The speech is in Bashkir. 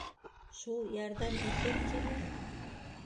Шул ярҙам итер тиме?